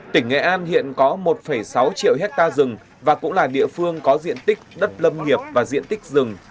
tỉnh nghệ an hiện có một sáu triệu hectare rừng và cũng là địa phương có diện tích đất lâm nghiệp và diện tích rừng